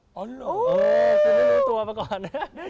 ส่วนด้วยตัวมาก่อน